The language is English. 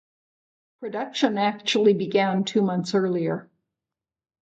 Production actually began two months earlier.